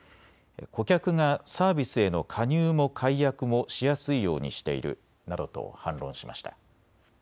顧客がサービスへの加入も解約もしやすいようにしているなどと反論しました。